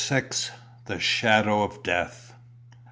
THE SHADOW OP DEATH.